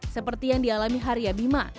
seperti yang dialami haria bima